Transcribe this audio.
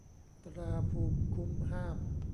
ตราภูมิคุ้มห้าม